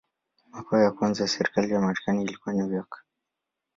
Makao ya kwanza ya serikali ya Marekani ilikuwa New York.